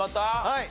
はい。